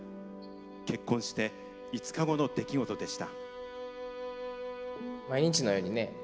結婚して５日後の出来事でした。